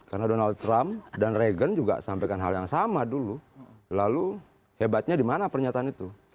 karena donald trump dan reagan juga sampaikan hal yang sama dulu lalu hebatnya di mana pernyataan itu